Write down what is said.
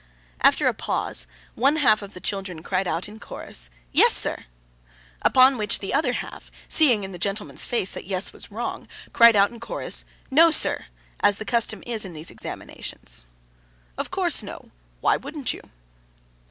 After a pause, one half of the children cried in chorus, 'Yes, sir!' Upon which the other half, seeing in the gentleman's face that Yes was wrong, cried out in chorus, 'No, sir!'—as the custom is, in these examinations. 'Of course, No. Why wouldn't you?